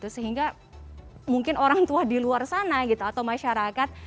sehingga mungkin orang tua di luar sana gitu atau masyarakat